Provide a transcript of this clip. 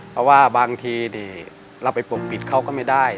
เพราะว่าบางทีเราไปปกปิดเขาก็ไม่ได้